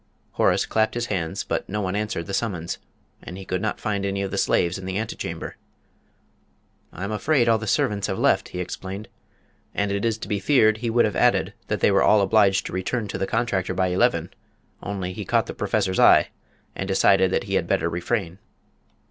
Horace clapped his hands, but no one answered the summons, and he could not find any of the slaves in the antechamber. "I'm afraid all the servants have left," he explained; and it is to be feared he would have added that they were all obliged to return to the contractor by eleven, only he caught the Professor's eye and decided that he had better refrain.